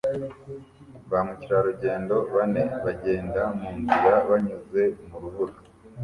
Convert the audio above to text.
Ba mukerarugendo bane bagenda mu nzira banyuze mu rubura